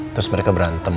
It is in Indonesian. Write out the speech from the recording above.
terus mereka berantem